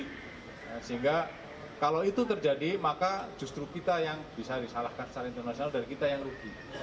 sehingga kalau itu terjadi maka justru kita yang bisa disalahkan secara internasional dan kita yang rugi